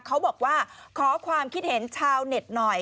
เขาบอกว่าขอความคิดเห็นชาวเน็ตหน่อย